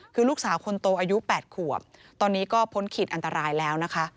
คือลูกสาวคนโตอายุ๘ขวบตอนนี้ก็พ้นขีดอันตรายแล้วนะคะ